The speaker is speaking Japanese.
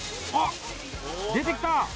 出てきた！